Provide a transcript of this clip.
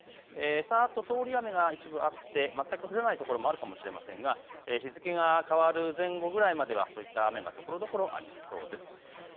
さーっと通り雨が一部あって全く降らない所もあるかもしれませんが日付が変わる前後ぐらいまではそういった雨がところどころありそうです。